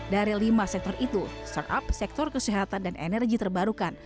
dari lima sektor itu startup sektor kesehatan dan energi terbarukan